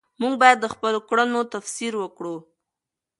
موږ باید د خپلو کړنو تفسیر وکړو.